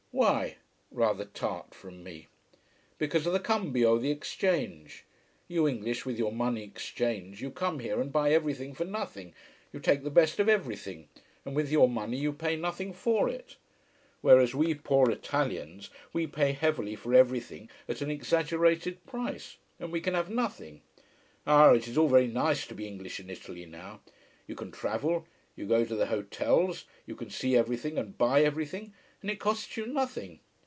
Why? rather tart from me. Because of the cambio, the exchange. You English, with your money exchange, you come here and buy everything for nothing, you take the best of everything, and with your money you pay nothing for it. Whereas we poor Italians we pay heavily for everything at an exaggerated price, and we can have nothing. Ah, it is all very nice to be English in Italy now. You can travel, you go to the hotels, you can see everything and buy everything, and it costs you nothing.